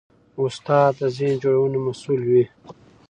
استاد د ذهن جوړونې مسوول وي.